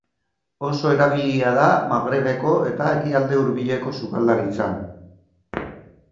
Oso erabilia da Magrebeko eta Ekialde Hurbileko sukaldaritzan.